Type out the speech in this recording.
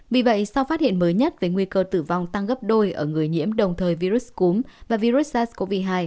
vì vậy sau phát hiện mới nhất về nguy cơ tử vong tăng gấp đôi ở người nhiễm đồng thời virus cúm và virus sars cov hai